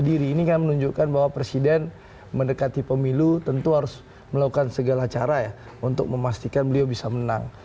ini kan menunjukkan bahwa presiden mendekati pemilu tentu harus melakukan segala cara ya untuk memastikan beliau bisa menang